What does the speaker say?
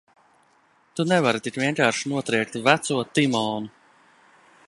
Tu nevari tik vienkārši notriekt veco Timonu!